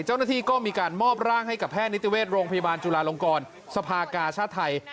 เจ้าหน้าที่ก็มีการมอบร่างให้กับแพทย์นิติเวชโรงพยาบาลจุลาลงกรสภากาชาติไทย